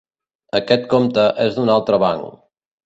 Aquest compte és d'un altre banc.